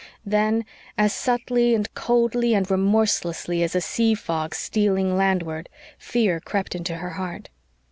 Then, as subtly, and coldly, and remorselessly as a sea fog stealing landward, fear crept into her heart.